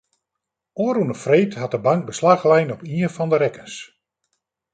Ofrûne freed hat de bank beslach lein op ien fan de rekkens.